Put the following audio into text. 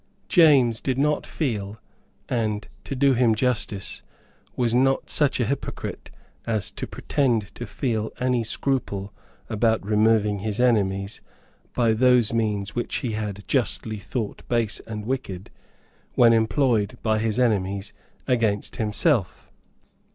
James did not feel, and, to do him justice, was not such a hypocrite as to pretend to feel, any scruple about removing his enemies by those means which he had justly thought base and wicked when employed by his enemies against himself.